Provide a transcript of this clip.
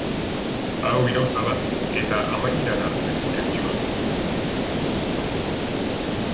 Hau iraultza da, eta amaierara arte eutsiko dugu.